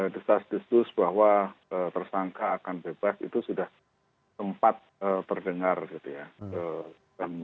di sas disus bahwa tersangka akan bebas itu sudah sempat terdengar gitu ya